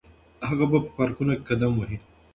هغه به په پارکونو کې قدم وهي.